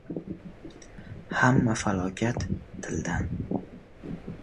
• Hamma falokat ― tildan.